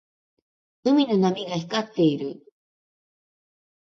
海の波が光っている。